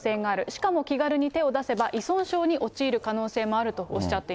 しかも気軽に手を出せば、依存症に陥る可能性もあるとおっしゃっ